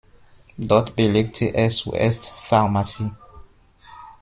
Dort belegte er zuerst Pharmazie.